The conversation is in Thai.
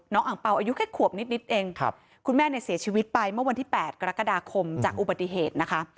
อ่างเปล่าอายุแค่ขวบนิดเองคุณแม่เนี่ยเสียชีวิตไปเมื่อวันที่๘กรกฎาคมจากอุบัติเหตุนะคะ